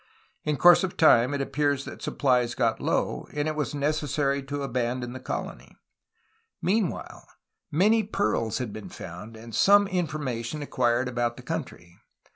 In course of time it appears that suppHes got low, and it was necessary to abandon the colony. Meanwhile many pearls had been found and some information acquired about the country.